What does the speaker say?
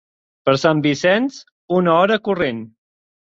Per Sant Vicenç, una hora corrent.